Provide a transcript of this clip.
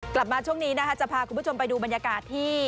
กลับมาช่วงนี้นะคะจะพาคุณผู้ชมไปดูบรรยากาศที่